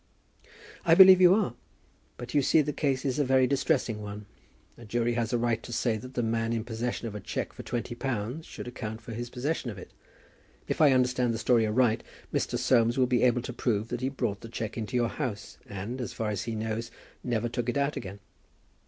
"I believe you are. But you see the case is a very distressing one. A jury has a right to say that the man in possession of a cheque for twenty pounds should account for his possession of it. If I understand the story aright, Mr. Soames will be able to prove that he brought the cheque into your house, and, as far as he knows, never took it out again."